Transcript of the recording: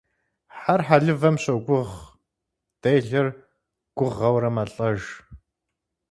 Хьэр хьэлывэм щогуыгъ, делэр гугъэурэ мэлӏэж.